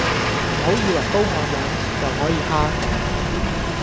唔好以為高我兩吋就可以蝦我